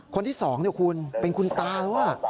คนที่๒คุณเป็นคุณตาแล้ว